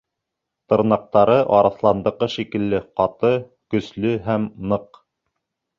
Тырнаҡтары арыҫландыҡы шикеле ҡаты, көслө һәм ныҡ.